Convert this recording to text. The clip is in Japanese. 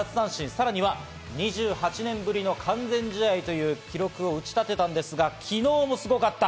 さらには２８年ぶりの完全試合という記録を打ち立てたんですが、昨日もすごかった。